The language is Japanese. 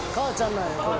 なんやこれ。